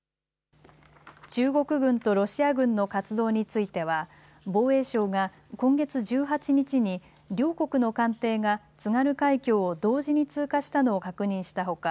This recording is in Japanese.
中国軍とロシア軍の活動については防衛省が今月１８日に両国の艦艇が津軽海峡を同時に通過したのを確認したほか